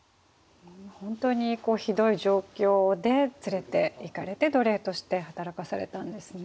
本当にひどい状況で連れていかれて奴隷として働かされたんですね。